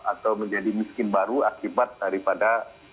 atau menjadi miskin baru akibat daripada